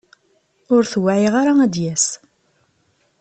Ur t-wεiɣ ara ad d-yas.